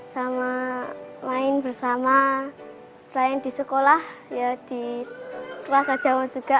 sama main bersama selain di sekolah ya di sekolah gajah wong juga